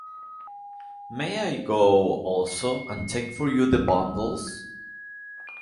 May I go also, and take for you the bundles?